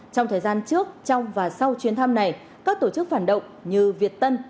trong thời gian trước trong và sau chuyến thăm này các tổ chức phản động như việt tân